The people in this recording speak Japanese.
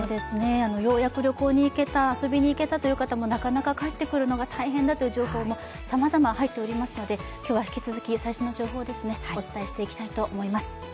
ようやく旅行に行けた遊びに行けたという方もなかなか帰ってくるのが大変だという情報もさまざま入っておりますので今日は引き続き、最新の情報をお伝えしていきたいと思います。